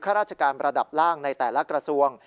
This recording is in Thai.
ข้าราชการระดับล่างในแต่ละกระทรวง